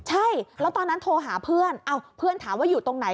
ใช่แล้วตอนนั้นโทรหาเพื่อนเพื่อนถามว่าอยู่ตรงไหน